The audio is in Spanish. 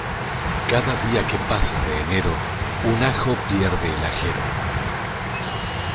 Cada día que pasa de enero, un ajo pierde el ajero.